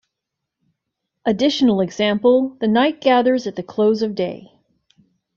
Additional example: The night gathers at the close of day.